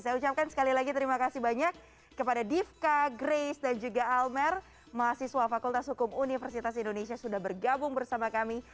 saya ucapkan sekali lagi terima kasih banyak kepada divka grace dan juga almer mahasiswa fakultas hukum universitas indonesia sudah bergabung bersama kami